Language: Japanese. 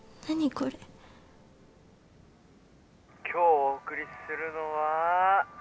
これ「今日お送りするのはえりこすと」